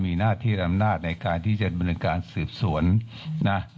มีหน้าที่อำนาจในการที่จะดำเนินการสืบสวนนะ